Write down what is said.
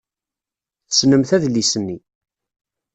Tessnemt adlis-nni.